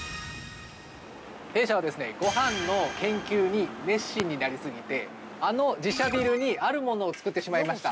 ◆弊社はですね、ごはんの研究に熱心になりすぎて、あの自社ビルにあるものを作ってしまいました。